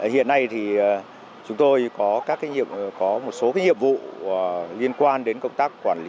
hiện nay thì chúng tôi có một số nhiệm vụ liên quan đến công tác quản lý